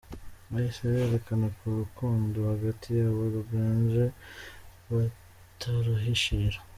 Bahise berekana ko urukundo hagati yabo ruganje bataruhishira